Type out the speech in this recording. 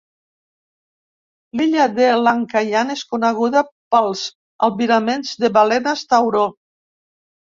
L'illa de Lankayan és coneguda pels albiraments de balenes tauró.